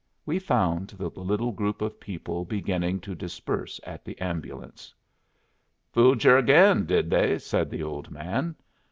We found the little group of people beginning to disperse at the ambulance. "Fooled yer ag'in, did they?" said the old man.